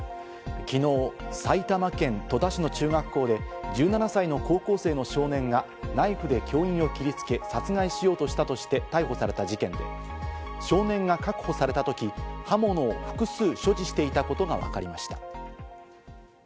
昨日、埼玉県戸田市の中学校で１７歳の高校生の少年がナイフで教員を切りつけ、殺害しようとしたとして逮捕された事件、少年が確保されたとき、刃物を複数所持していたことがわかりました。